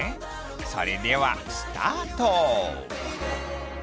それではスタート！